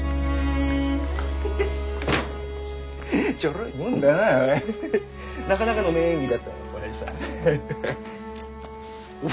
ちょろいもんだななかなかの名演技だったよオヤジさん。